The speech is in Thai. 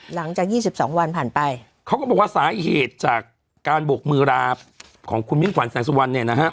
หลังจากยี่สิบสองวันผ่านไปเขาก็บอกว่าสาเหตุจากการบกมือราของคุณมิ่งขวัญแสงสุวรรณเนี่ยนะฮะ